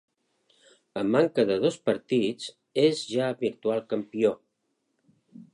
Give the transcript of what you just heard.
A manca de dos partits, és ja virtual campió.